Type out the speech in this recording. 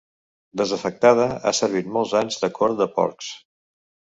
Desafectada, ha servit molts anys de cort de porcs.